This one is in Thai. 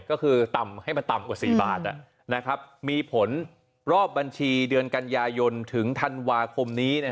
ก็คือต่ำให้มันต่ำกว่า๔บาทมีผลรอบบัญชีเดือนกันยายนถึงธันวาคมนี้